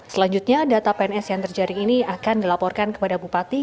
selanjutnya data pns yang terjaring ini akan dilaporkan kepada bupati